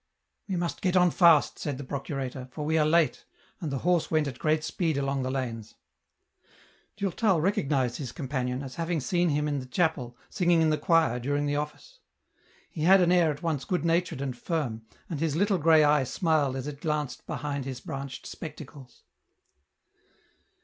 " We must get on fast," said the procurator, " for we are late," and the horse went at a great speed along the lanes. Durtal recognized his companion, as having seen him in the chapel, singing in the choir during the Office. He had an air at once good natured and firm, and his little grey eye smiled as it glanced behind his branched spectacles.